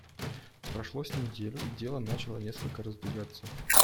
Прошло с неделю, и дело начало несколько раздвигаться.